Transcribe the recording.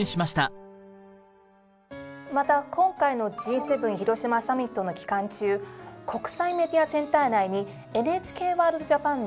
また今回のＧ７広島サミットの期間中国際メディアセンター内に「ＮＨＫワールドＪＡＰＡＮ」のブースを設け